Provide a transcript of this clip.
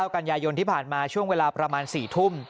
กันยายนที่ผ่านมาช่วงเวลาประมาณ๔ทุ่ม